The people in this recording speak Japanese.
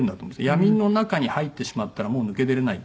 闇の中に入ってしまったらもう抜け出れない。